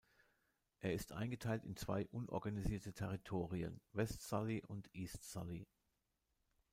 Er ist eingeteilt in zwei unorganisierte Territorien: West Sully und East Sully.